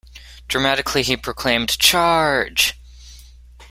Dramatically he proclaimed, "Charge!".